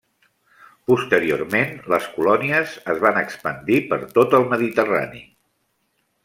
Posteriorment, les colònies es van expandir per tot el Mediterrani.